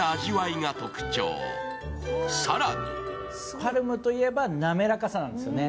ＰＡＲＭといえば滑らかさなんですよね。